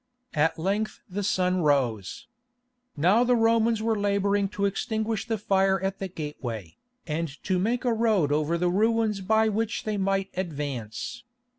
At length the sun rose. Now the Romans were labouring to extinguish the fire at the gateway, and to make a road over the ruins by which they might advance.